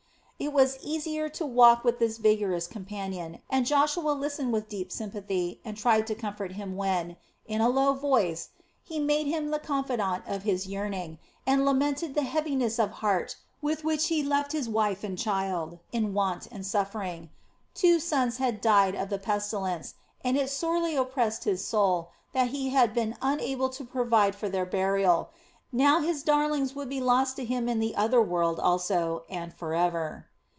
It was easier to walk with this vigorous companion, and Joshua listened with deep sympathy and tried to comfort him when, in a low voice, he made him the confidant of his yearning, and lamented the heaviness of heart with which he had left wife and child in want and suffering. Two sons had died of the pestilence, and it sorely oppressed his soul that he had been unable to provide for their burial now his darlings would be lost to him in the other world also and forever.